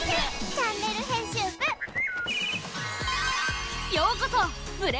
チャンネル編集部へ！